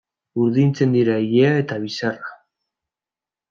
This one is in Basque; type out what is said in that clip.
Urdintzen dira ilea eta bizarra.